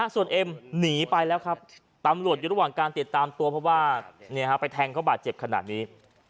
ส่วนเอ็มหนีไปแล้วครับตำรวจอยู่ระหว่างการติดตามตัวเพราะว่าไปแทงเขาบาดเจ็บขนาดนี้